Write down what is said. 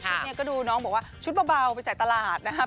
นี้ก็ดูน้องบอกว่าชุดเบาไปจ่ายตลาดนะครับ